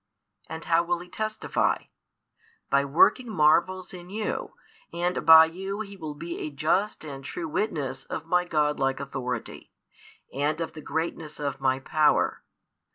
And how will He testify? By working marvels in you, and by you He will be a just and true witness of My Godlike authority, and of the greatness of My power.